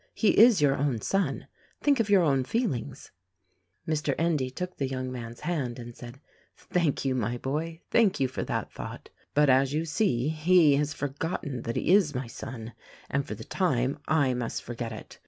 He is your own son; think of your own feel ings." 75 76 THE RECORDING ANGEL Mr. Endy took the young man's hand and said, "Thank you, my boy, thank you for that thought; but, as you see, he has forgotten that he is my son — and for the time I must forget it.